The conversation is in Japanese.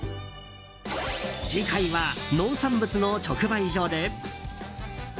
次回は、農産物の直売所で。